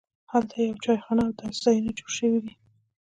هلته یوه چایخانه او د اودس ځایونه جوړ شوي دي.